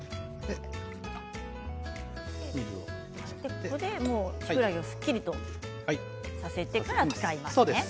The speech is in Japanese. ここで、きくらげをすっきりとさせてから使います。